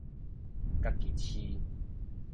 家己飼